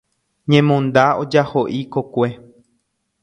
Ñemonda ojahoʼi kokue.